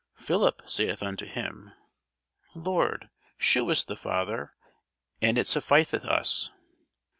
Philip saith unto him, Lord, shew us the Father, and it sufficeth us.